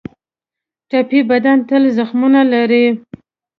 ټپي بدن تل زخمونه لري.